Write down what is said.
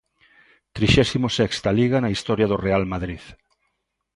Trixésimo sexta Liga na historia do Real Madrid.